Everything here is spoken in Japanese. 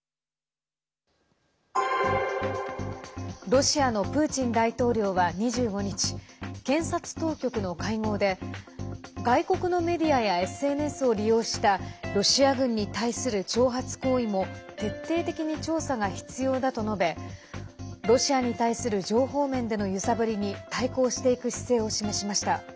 ロシアのプーチン大統領は２５日、検察当局の会合で外国のメディアやＳＮＳを利用したロシア軍に対する挑発行為も徹底的に調査が必要だと述べロシアに対する情報面での揺さぶりに対抗していく姿勢を示しました。